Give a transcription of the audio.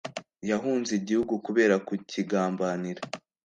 Yahunze igihugu kubera ku kigambanira